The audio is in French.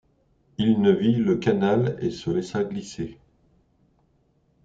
Il ne vit le canal et se laissa glisser.